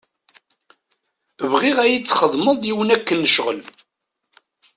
Bɣiɣ ad iyi-txedmeḍ yiwen akken n ccɣel.